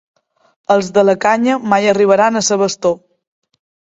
Els de la Canya mai arribaran a ser bastó.